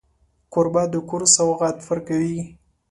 کوربه د کور سوغات ورکوي.